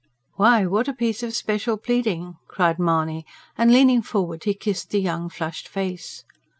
"Why, what a piece of special pleading!" cried Mahony, and leaning forward, he kissed the young flushed face.